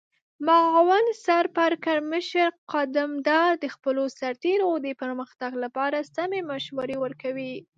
معاون سرپرکمشر قدمدار د خپلو سرتیرو د پرمختګ لپاره سمې مشورې ورکوي.